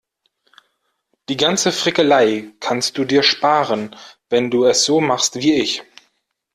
Die ganze Frickelei kannst du dir sparen, wenn du es so machst wie ich.